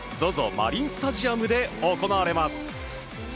マリンスタジアムで行われます。